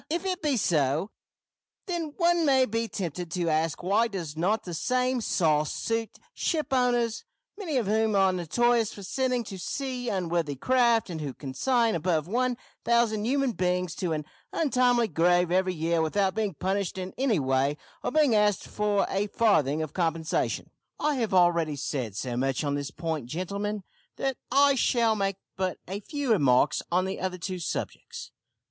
If it be so, then one may be tempted to ask why does not the same `sauce' suit shipowners, many of whom are notorious for sending to sea unseaworthy craft, and who consign above one thousand human beings to an untimely grave every year without being punished in any way or being asked for a farthing of compensation? "I have already said so much on this point gentlemen, that I shall make but a few remarks on the other two subjects.